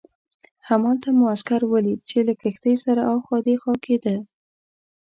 همالته مو عسکر ولید چې له کښتۍ سره اخوا دیخوا کېده.